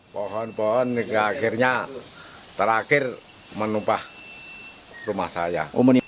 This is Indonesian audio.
pohon pohon hingga akhirnya terakhir menumpah rumah saya